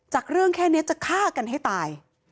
เรื่องแค่นี้จะฆ่ากันให้ตาย